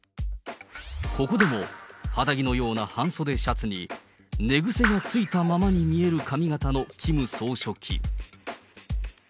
ここでも肌着のような半袖シャツに、寝ぐせがついたままに見える髪形のキム総書記。